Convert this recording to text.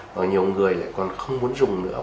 và nhiều người lại còn không muốn dùng nữa